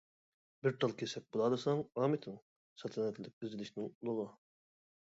بىر تال كېسەك بولالىساڭ ئامىتىڭ سەلتەنەتلىك ئىزدىنىشنىڭ ئۇلىغا.